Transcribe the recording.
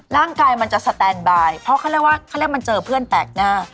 มันจะสแตนบายเพราะเขาเรียกว่าเขาเรียกมันเจอเพื่อนแปลกหน้า